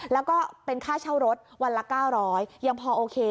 แล้วก็เป็นค่าเช่ารถวันละ๙๐๐ยังพอโอเค